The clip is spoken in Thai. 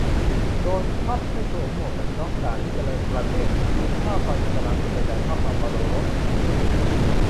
โดนครับ ไม่สวมหมวกกันน็อก ด่านที่เจริญประเทศ กินข้าวซอยอิสลามเสร็จ ไปจ่ายค่าปรับวโรรส เฮ่อ